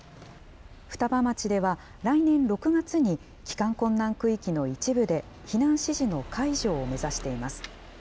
双葉町では来年６月に、帰還困難区域の一部で、避難指示の解除を目指しています。